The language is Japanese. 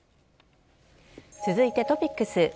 続いてトピックス。